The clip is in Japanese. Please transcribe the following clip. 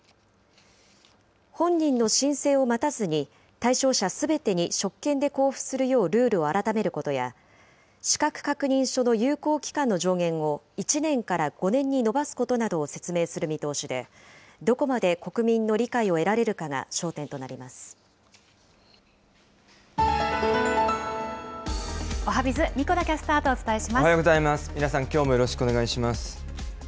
本人の申請を待たずに、対象者すべてに職権で交付するようルールを改めることや、資格確認書の有効期間の上限を１年から５年に延ばすことなどを説明する見通しで、どこまで国民の理解を得られるかが焦点となりまおはＢｉｚ、おはようございます、皆さんきょうもよろしくお願いします。